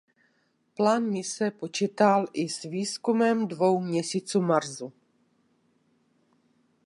Plán mise počítal i s výzkumem dvou měsíců Marsu.